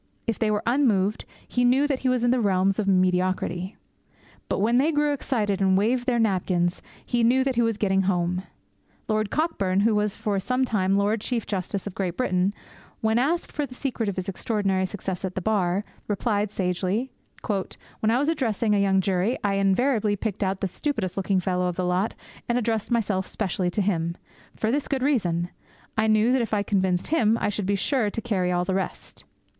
If they were unmoved, he knew that he was in the realms of mediocrity. But when they grew excited and waved their napkins, he knew that he was getting home. Lord Cockburn, who was for some time Lord Chief Justice of Great Britain, when asked for the secret of his extraordinary success at the bar, replied sagely, 'When I was addressing a jury, I invariably picked out the stupidest looking fellow of the lot, and addressed myself specially to him for this good reason: I knew that if I convinced him I should be sure to carry all the rest!'